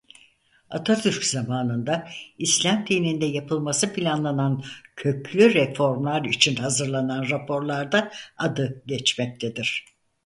Atatürk zamanında İslam dininde yapılması planlanan köklü reformlar için hazırlanan raporlarda adı geçmektedir.